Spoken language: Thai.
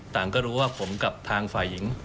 ก็รู้ว่าผมกับทางฝ่ายหญิง